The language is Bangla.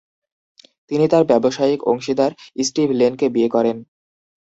তিনি তার ব্যবসায়িক অংশীদার স্টিভ লেনকে বিয়ে করেন।